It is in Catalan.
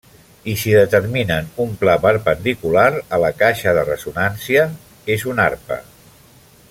I si determinen un pla perpendicular a la caixa de ressonància, és una arpa.